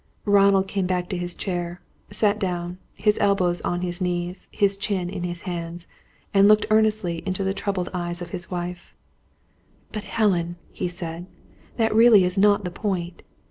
Ronald came back to his chair; sat down, his elbows on his knees, his chin in his hands, and looked earnestly into the troubled eyes of his wife. "But, Helen," he said, "that really is not the point.